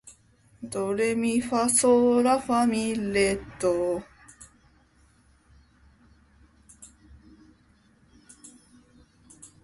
ドレミファソーラファ、ミ、レ、ドー